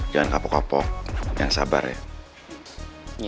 jangan kapok kapok yang sabar ya